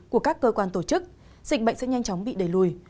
của các cơ quan tổ chức dịch bệnh sẽ nhanh chóng bị đẩy lùi